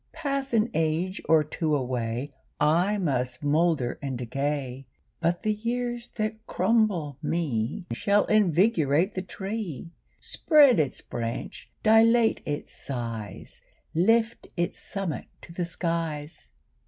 Pass an age or two away, I must moulder and decay, But the years that crumble me Shall invigorate the tree, Spread its branch, dilate its size, Lift its summit to the skies.